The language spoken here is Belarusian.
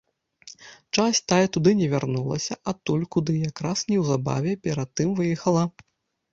Часць тая туды не вярнулася адтуль, куды якраз неўзабаве перад тым выехала.